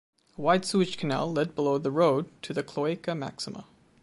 A wide sewage canal led below the road to the Cloaca Maxima.